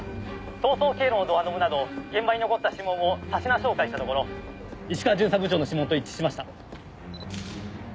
逃走経路のドアノブなど現場に残った指紋をさしな照会したところ石川巡査部長の指紋と一致しました。